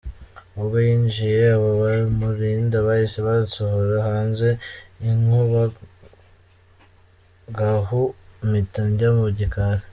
Ubwo yinjiye abo bamurinda bahise bansohora hanze inkubagahu, mpita njya mu gikari.